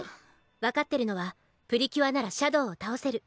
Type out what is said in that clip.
分かってるのはプリキュアならシャドウを倒せる。